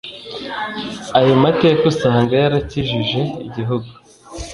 Ayo mateka usanga yarakijije igihugu